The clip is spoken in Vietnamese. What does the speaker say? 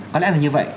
có lẽ là như vậy